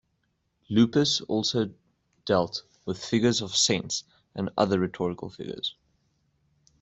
Lupus also dealt with figures of sense and other rhetorical figures.